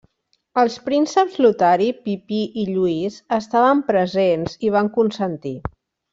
Els prínceps Lotari, Pipí i Lluís estaven presents i van consentir.